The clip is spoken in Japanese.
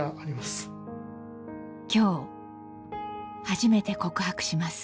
今日初めて告白します。